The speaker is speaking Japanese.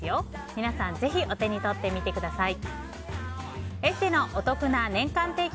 皆さん、ぜひお手に取ってみてください。